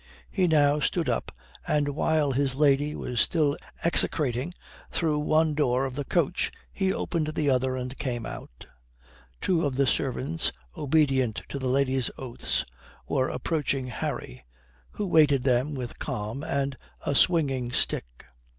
He now stood up, and, while his lady was still execrating through one door of the coach, he opened the other and came out. Two of the servants, obedient to the lady's oaths, were approaching Harry, who waited them with calm and a swinging stick.